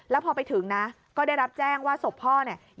แล้วพอไปถึงนะก็ได้รับแจ้งว่าศพพ่อเนี่ย